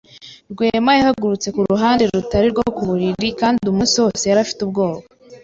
Rwema yahagurutse ku ruhande rutari rwo ku buriri kandi umunsi wose yari afite ubwoba.